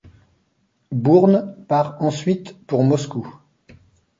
Bourne part ensuite pour Moscou.